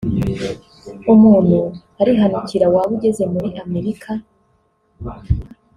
umuntu arihanukira waba ugeze muri Amerika